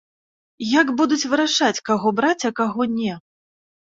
Як будуць вырашаць, каго браць, а каго не?